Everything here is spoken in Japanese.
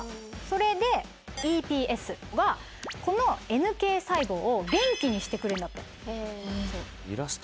それでＥＰＳはこのＮＫ細胞を元気にしてくれるんだって。